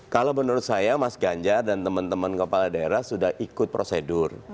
kalau menurut saya mas ganjar dan teman teman kepala daerah sudah ikut prosedur